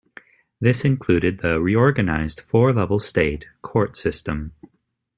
This included the reorganized four-level state court system.